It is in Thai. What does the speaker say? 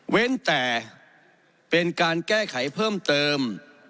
แต่เป็นการแก้ไขเพิ่มเติม